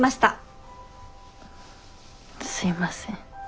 すいません。